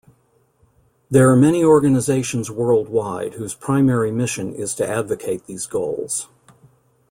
There are many organisations worldwide whose primary mission is to advocate these goals.